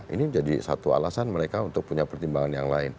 ini jadi satu alasan mereka untuk punya pertimbangan yang lain